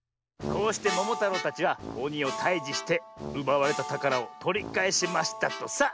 「こうしてももたろうたちはおにをたいじしてうばわれたたからをとりかえしましたとさ。